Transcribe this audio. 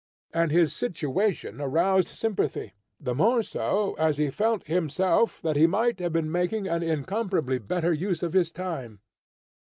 And his situation aroused sympathy, the more so, as he felt himself that he might have been making an incomparably better use of his time.